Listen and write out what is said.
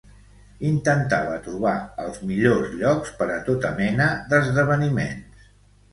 Intentava trobar els millors llocs per a tota mena d'esdeveniments.